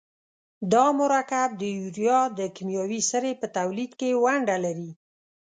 دا مرکب د یوریا د کیمیاوي سرې په تولید کې ونډه لري.